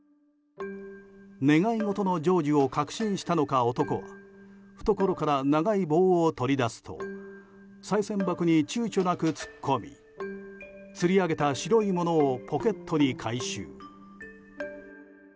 願い事の成就を確信したのか男は懐から長い棒を取り出すとさい銭箱に躊躇なく突っ込み釣り上げた白いものをポケットに回収。